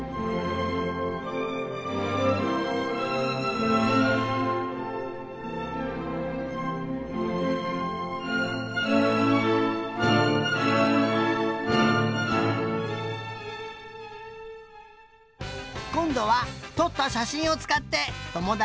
こんどはとったしゃしんをつかってともだちにクイズをだすよ。